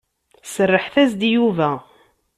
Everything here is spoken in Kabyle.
Serrḥet-as-d i Yuba.